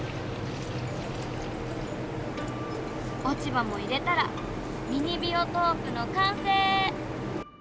落ち葉も入れたらミニビオトープの完成！